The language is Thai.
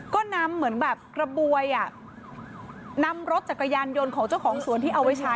ก็นำเหมือนแบบกระบวยอ่ะนำรถจักรยานยนต์ของเจ้าของสวนที่เอาไว้ใช้